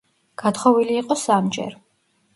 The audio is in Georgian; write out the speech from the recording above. გათხოვილი იყო სამჯერ.